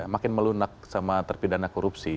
makin melunak sama terpidana korupsi